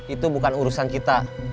itu bukan urusan kita